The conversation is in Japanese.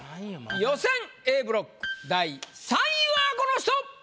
予選Ａブロック第３位はこの人！